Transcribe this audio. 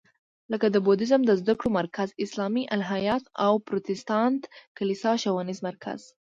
لکه د بودیزم د زده کړو مرکز، اسلامي الهیات او پروتستانت کلیسا ښوونیز مرکز.